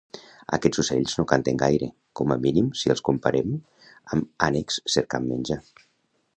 Aquests ocells no canten gaire, com a mínim si els comparem amb ànecs cercant menjar.